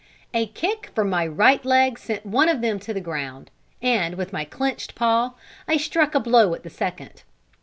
A kick from my right leg sent one of them to the ground, and, with my clenched paw, I struck a blow at the second.